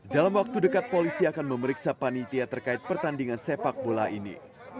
dalam waktu dekat polisi akan memeriksa panitia terkait pertandingan sepak bola ini